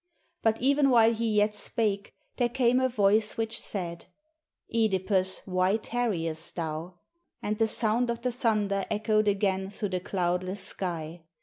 But even while he yet spake, there came a voice which said, " (Edipus, why tarriest thou? " and the sound of the thunder echoed again through the cloudless sky.